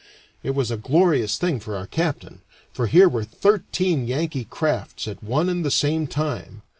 It was a glorious thing for our captain, for here were thirteen Yankee crafts at one and the same time.